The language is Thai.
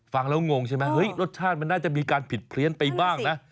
ฟังแล้วงงใช่ไหมเฮ้ยรสชาติมันน่าจะมีการผิดเพี้ยนไปบ้างนะ